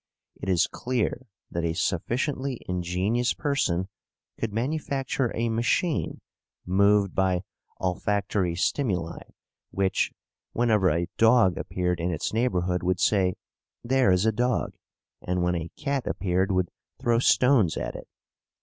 It is clear that a sufficiently ingenious person could manufacture a machine moved by olfactory stimuli which, whenever a dog appeared in its neighbourhood, would say, "There is a dog," and when a cat appeared would throw stones at it.